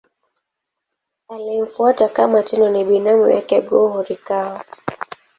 Aliyemfuata kama Tenno ni binamu yake Go-Horikawa.